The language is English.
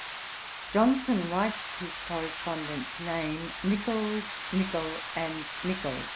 Johnson writes his correspondent's name Nichols, Nichol, and Nicol.